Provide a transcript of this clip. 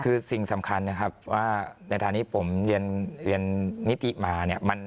คือสิ่งสำคัญนะครับว่าในฐานที่ผมเรียนนิติมาเนี่ย